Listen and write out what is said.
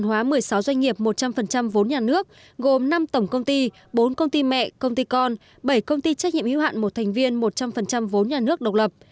theo đó thành phố sẽ cổ phần hóa một mươi sáu doanh nghiệp một trăm linh vốn nhà nước gồm năm tổng công ty bốn công ty mẹ công ty con bảy công ty trách nhiệm hữu hạn một thành viên một trăm linh vốn nhà nước độc lập